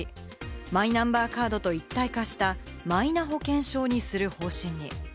マイナンバーカードと一体化したマイナ保険証にする方針に。